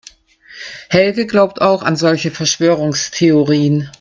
Helge glaubt auch an solche Verschwörungstheorien.